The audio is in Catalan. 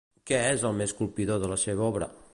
Què és el més colpidor de la seva obra?